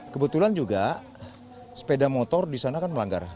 kebetulan juga sepeda motor di sana kan melanggar